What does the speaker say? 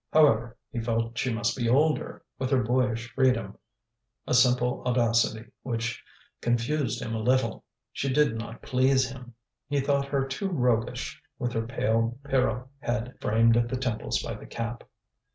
However, he felt she must be older, with her boyish freedom, a simple audacity which confused him a little; she did not please him: he thought her too roguish with her pale Pierrot head, framed at the temples by the cap.